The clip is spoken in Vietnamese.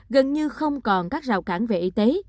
gần như không còn các rào cản về y tế